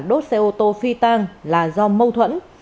đốt xe ô tô phi tang là do mâu thuẫn